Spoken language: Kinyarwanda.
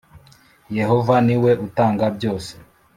Yehova ni we utanga byose